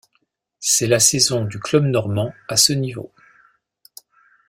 C'est la saison du club normand à ce niveau.